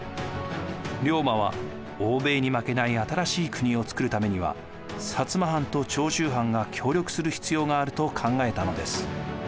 龍馬は欧米に負けない新しい国をつくるためには摩藩と長州藩が協力する必要があると考えたのです。